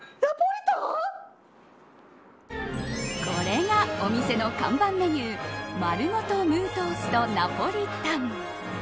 これがお店の看板メニューまるごとムートーストナポリタン。